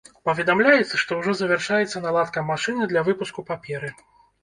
Паведамляецца, што ўжо завяршаецца наладка машыны для выпуску паперы.